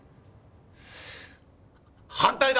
反対だ！